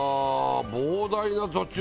膨大な土地を。